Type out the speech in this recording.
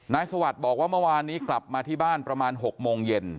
สวัสดิ์บอกว่าเมื่อวานนี้กลับมาที่บ้านประมาณ๖โมงเย็น